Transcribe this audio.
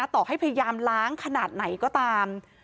ต่อให้พยายามล้างขนาดไหนก็ตาม